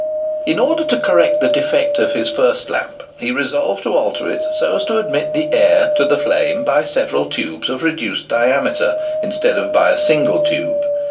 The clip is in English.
In order to correct the defect of his first lamp he resolved to alter it so as to admit the air to the flame by several tubes of reduced diameter, instead of by a single tube.